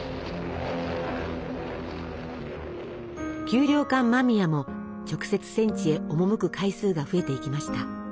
給糧艦間宮も直接戦地へ赴く回数が増えていきました。